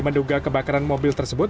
menduga kebakaran mobil tersebut